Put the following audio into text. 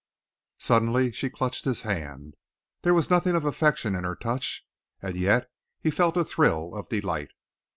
She suddenly clutched his hand. There was nothing of affection in her touch, and yet he felt a thrill of delight.